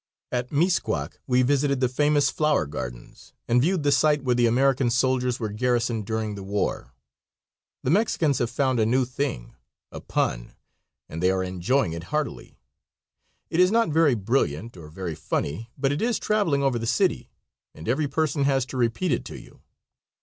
At Mixcoac we visited the famous flower gardens, and viewed the site where the American soldiers were garrisoned during the war. The Mexicans have found a new thing a pun, and they are enjoying it heartily. It is not very brilliant or very funny, but it is traveling over the city, and every person has to repeat it to you.